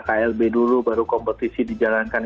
klb dulu baru kompetisi dijalankan